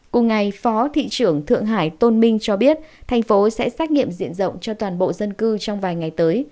cùng ngày phó thị trưởng thượng hải tôn minh cho biết thành phố sẽ xét nghiệm diện rộng cho toàn bộ dân cư trong vài ngày tới